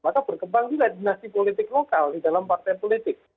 maka berkembang juga dinasti politik lokal di dalam partai politik